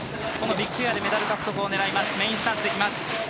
このビッグエアでメダル獲得を狙います。